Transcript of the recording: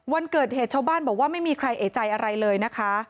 วันเกิดเหตุชาวบ้านบอกว่าไม่มีใครเอกใจอะไรเลยนะคะ